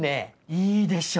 いいでしょ！